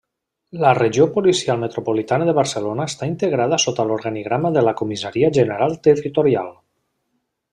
La Regió Policial Metropolitana de Barcelona està integrada sota l'organigrama de la Comissaria General Territorial.